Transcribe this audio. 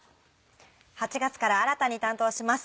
８月から新たに担当します